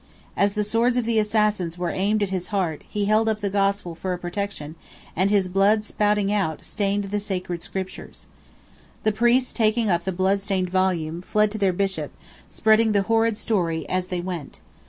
As the swords of the assassins were aimed at his heart, he held up the Gospel for a protection, and his blood spouting out, stained the Sacred Scriptures. The priests, taking up the blood stained volume, fled to their Bishop, spreading the horrid story as they went.